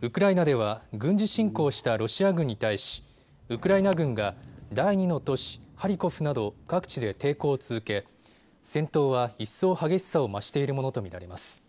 ウクライナでは軍事侵攻したロシア軍に対しウクライナ軍が第２の都市ハリコフなど各地で抵抗を続け戦闘は一層激しさを増しているものと見られます。